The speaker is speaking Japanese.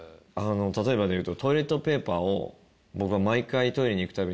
例えばでいうと。